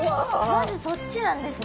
まずそっちなんですね。